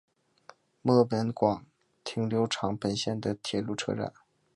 末广町停留场本线的铁路车站。